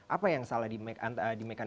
apa yang salah di mekanisme